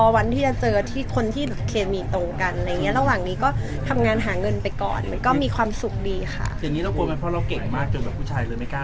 วันนี้เรากลัวมั้ยเพราะว่าเราเก่งมากแบบเป็นผู้ชายเลยไม่กล้าก็เข้ามา